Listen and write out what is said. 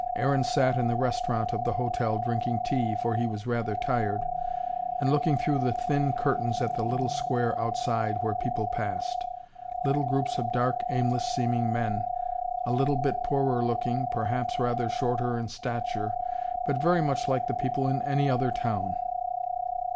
Aaron sat in the restaurant of the hotel drinking tea, for he was rather tired, and looking through the thin curtains at the little square outside, where people passed: little groups of dark, aimless seeming men, a little bit poorer looking perhaps rather shorter in stature but very much like the people in any other town.